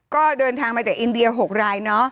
ก็เดินทางมาจากอินเดีย๖ราย